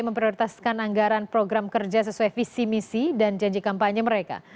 memprioritaskan anggaran program kerja sesuai visi misi dan janji kampanye mereka